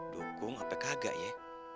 dukung sampe kagak ya